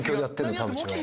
田渕は。